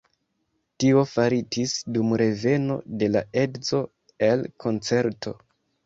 Tio faritis dum reveno de la edzo el koncerto.